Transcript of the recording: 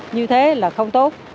như thế là không tốt